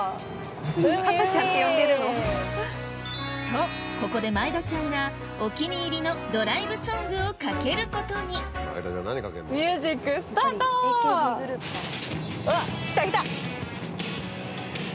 とここで前田ちゃんがお気に入りのドライブソングをかけることにあっきたきた。